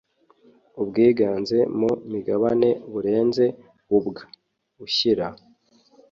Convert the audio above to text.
ubwiganze mu migabane burenze ubw ushyira